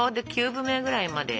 ９分目ぐらいまで。